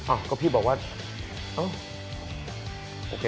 โอ้ยก็พี่บอกว่า